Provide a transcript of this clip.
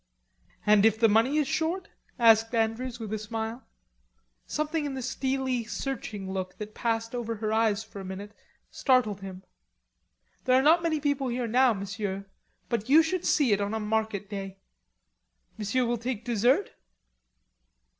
"And if the money is short?" asked Andrews with a smile. Something in the steely searching look that passed over her eyes for a minute startled him. "There are not many people here now, Monsieur, but you should see it on a market day.... Monsieur will take some dessert?"